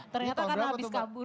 ternyata kan habis kabur